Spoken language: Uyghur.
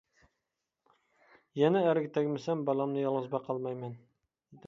يەنە ئەرگە تەگمىسەم بالامنى يالغۇز باقالمايمەن.